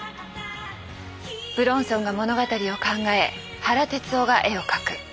武論尊が物語を考え原哲夫が絵を描く。